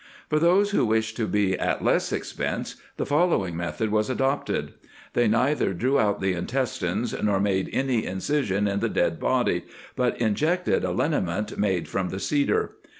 " For those who wished to be at less expense, the following method was adopted. They neither drew out the intestines, nor made any incision in the dead body, but injected a liniment made from the cedar.